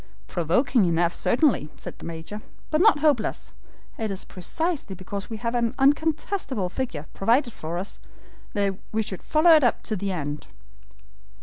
"Provoking enough, certainly," said the Major, "but not hopeless. It is precisely because we have an uncontestable figure, provided for us, that we should follow it up to the end."